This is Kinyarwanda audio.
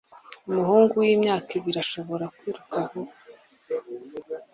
Umuhungu wimyaka ibiri arashobora kwiruka vuba?